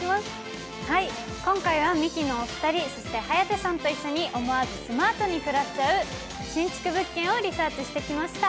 今回はミキのお二人、そして颯さんと一緒に思わずスマートに暮らせちゃう新築物件をリサーチしてきました。